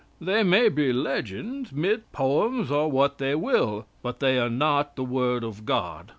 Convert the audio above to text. "They may be legends, myths, poems, or what they will, but they are not the Word of God.